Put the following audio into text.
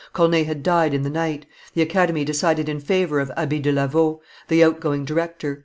Corneille had died in the night. The Academy decided in favor of Abbe de Lavau, the outgoing director.